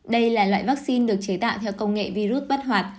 đây là loại vaccine được chế tạo theo công nghệ virus bắt hoạt